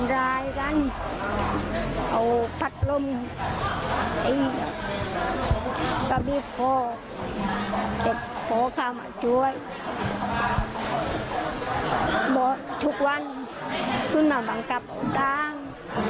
บ่อยถูกหวันคือน่าบังกับโปะตาง